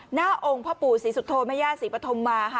หน้าองค์พ่อปู่ศรีสุทโธมยาศรีปฐมมา